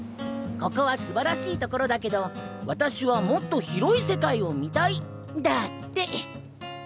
「ここはすばらしいところだけど私はもっと広い世界を見たい」だって。